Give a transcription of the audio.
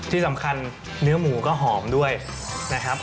ที่สำคัญเนื้อหมูก็หอมด้วยนะครับ